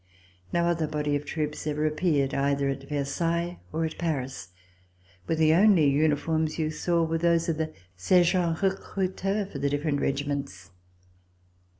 No other body of troops ever appeared either at Versailles or at Paris, where the only uniforms you saw were those of the sergents recruteurs for the different regiments.